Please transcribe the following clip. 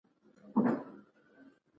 کاري پلان ترلاسه کیدونکې پایلې لري.